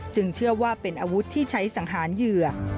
เชื่อว่าเป็นอาวุธที่ใช้สังหารเหยื่อ